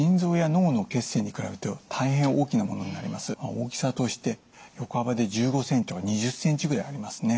大きさとして横幅で１５センチから２０センチぐらいありますね。